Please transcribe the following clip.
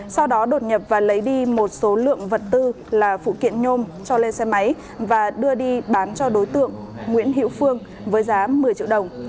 sau đó đột nhập và lấy đi một số lượng vật tư là phụ kiện nhôm cho lên xe máy và đưa đi bán cho đối tượng nguyễn hiệu phương với giá một mươi triệu đồng